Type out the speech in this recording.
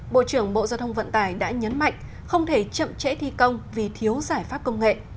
bộ trưởng bộ giao thông vận tải đã nhấn mạnh không thể chậm trễ thi công vì thiếu giải pháp công nghệ